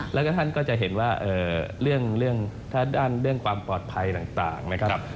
แล้วก็ท่านก็จะเห็นว่าเรื่องความปลอดภัยต่างนะครับ